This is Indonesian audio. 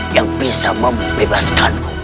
yang bisa membebaskanku